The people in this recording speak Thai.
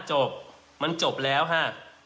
จบมันจบแล้วค่ะ